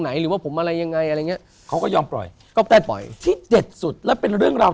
เหมือนปะทะหน้าปะทะหน้าพี่แต่ทำอะไรไม่ได้เพราะ